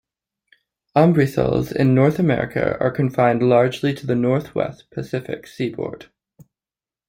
Umbrisols in North America are confined largely to the northwest Pacific seaboard.